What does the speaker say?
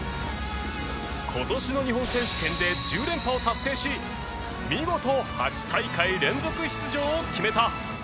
今年の日本選手権で１０連覇を達成し見事８大会連続出場を決めた